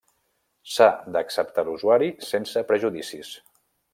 S'ha d'acceptar a l'usuari sense prejudicis.